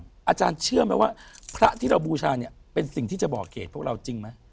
พระอาจารย์เชื่อไหมว่าพระธิ์จะบอกเกจพวกเราจริงไหม